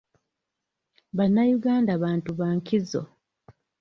Bannayuganda bantu ba nkizo.